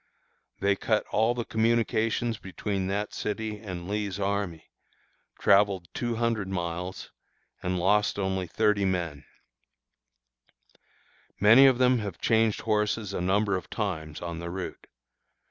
They cut all the communications between that city and Lee's army, travelled two hundred miles, and lost only thirty men. Many of them have changed horses a number of times on the route.